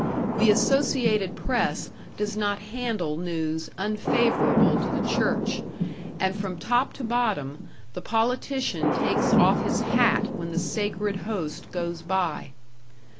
The Associated Press does not handle news unfavorable to the Church, and from top to bottom, the politician takes off his hat when the Sacred Host goes by.